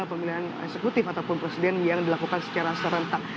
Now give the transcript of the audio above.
pemilihan eksekutif ataupun presiden yang dilakukan secara serentak